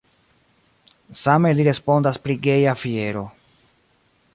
Same li respondas pri Geja Fiero.